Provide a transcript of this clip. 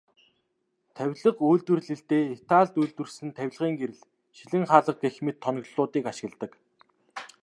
Тавилга үйлдвэрлэлдээ Италид үйлдвэрлэсэн тавилгын гэрэл, шилэн хаалга гэх мэт тоноглолуудыг ашигладаг.